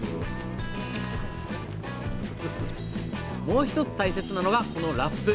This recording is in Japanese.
もう一つ大切なのがこのラップ。